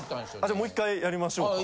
じゃあもう１回やりましょうか？